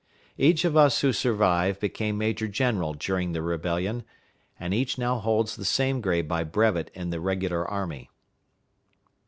Each of us who survive became major general during the rebellion, and each now holds the same grade by brevet in the regular army.